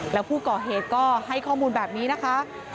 แล้วผู้ก่อเหตุก็ให้ข้อมูลแบบนี้นะคะ